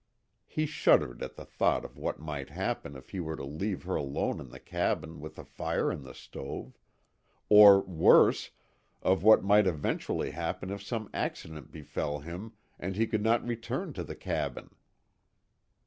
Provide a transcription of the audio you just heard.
He shuddered at the thought of what might happen if he were to leave her alone in the cabin with a fire in the stove or worse, of what might eventually happen if some accident befell him and he could not return to the cabin.